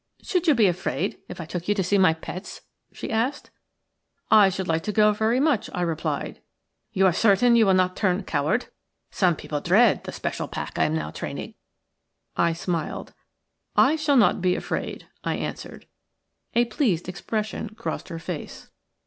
"Should you be afraid if I took you to see my pets?" she said. "I should like to go very much," I replied. "You are certain you will not turn coward? Some people dread the special pack I am now training." "YOU ARE CERTAIN YOU WILL NOT TURN COWARD?" I smiled. "I shall not be afraid," I answered. A pleased expression crossed her face.